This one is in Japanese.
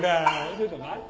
ちょっと待って。